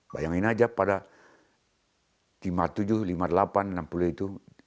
bayangin aja pada lima puluh tujuh lima puluh delapan enam puluh itu